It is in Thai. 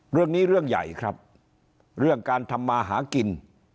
เรื่องนี้เรื่องใหญ่ครับเรื่องการทำมาหากิน